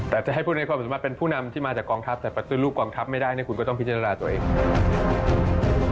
แต่จะให้พูดในความสามารถเป็นผู้นำที่มาจากกองทัพแต่ปฏิรูปกองทัพไม่ได้เนี่ยคุณก็ต้องพิจารณาตัวเอง